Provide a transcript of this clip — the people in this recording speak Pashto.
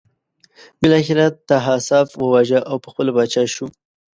بالاخره یې طاهاسپ وواژه او پخپله پاچا شو.